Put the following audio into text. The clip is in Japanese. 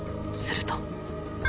すると。